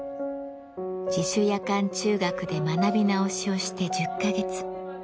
自主夜間中学で学び直しをして１０カ月。